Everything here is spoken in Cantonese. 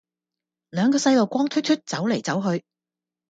兩個細路光脫脫走黎走去